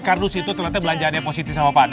kerdus itu ternyata belanjaan yang positif sama pak d